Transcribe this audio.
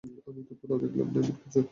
আমি তো কোথাও দেখলাম না এমন কিছু।